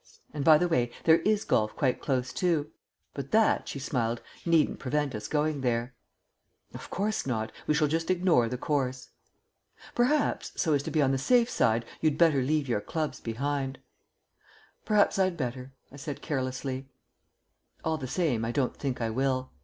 And, by the way, there is golf quite close too. But that," she smiled, "needn't prevent us going there." "Of course not. We shall just ignore the course." "Perhaps, so as to be on the safe side, you'd better leave your clubs behind." "Perhaps I'd better," I said carelessly. All the same I don't think I will.